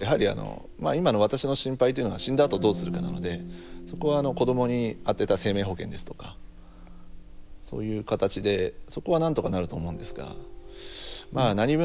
やはりあの今の私の心配というのは死んだあとどうするかなのでそこはあの子どもにあてた生命保険ですとかそういう形でそこは何とかなると思うんですがまあ何分